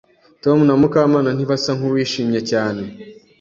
Tom na Mukamana ntibasa nkuwishimye cyane.